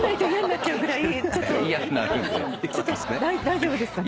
大丈夫ですかね！？